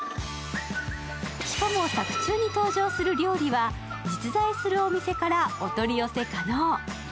しかも作中に登場する料理は実在するお店からお取り寄せ可能。